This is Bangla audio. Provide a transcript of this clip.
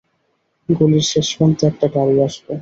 গলির শেষপ্রান্তে একটা গাড়ি আসবে।